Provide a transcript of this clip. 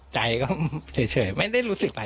ใจก็เฉยไม่ได้รู้สึกอะไร